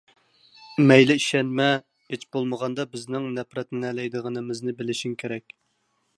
مەيلى ئىشەنمە، ھېچبولمىغاندا بىزنىڭ نەپرەتلىنەلەيدىغىنىمىزنى بىلىشىڭ كېرەك.